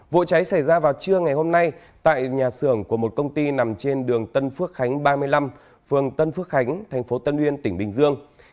vụ cháy xảy ra vào trưa ngày hôm nay tại nhà xưởng của một công ty nằm trên đường tân phước khánh ba mươi năm phường tân phước khánh thành phố tân uyên tỉnh bình dương